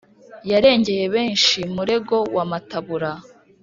Yarengeye benshi Murego wa Matabura